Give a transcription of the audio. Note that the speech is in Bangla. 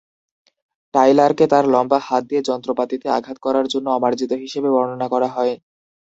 টাইলারকে তার "লম্বা হাত" দিয়ে যন্ত্রপাতিতে আঘাত করার জন্য অমার্জিত হিসেবে বর্ণনা করা হয়।